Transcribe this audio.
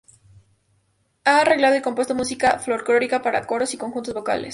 Ha arreglado y compuesto música folclórica para coros y conjuntos vocales.